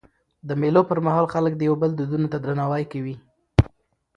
د مېلو پر مهال خلک د یو بل دودونو ته درناوی کوي.